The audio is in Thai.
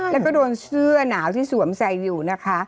แล้วก็โดนเสื้อหนาวที่สวมใส่อยู่นะคะ